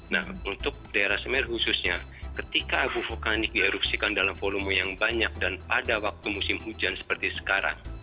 nah untuk daerah semeru khususnya ketika abu vulkanik di erupsikan dalam volume yang banyak dan pada waktu musim hujan seperti sekarang